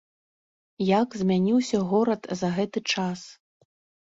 Як змяніўся горад за гэты час?